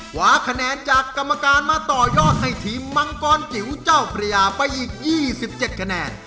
คว้าคะแนนจากกรรมการมาต่อยอดให้ทีมมังกรจิ๋วเจ้าประยาไปอีก๒๗คะแนน